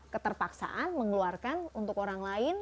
keterpaksaan mengeluarkan untuk orang lain